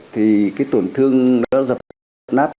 thì cái tổn thương nó dập nát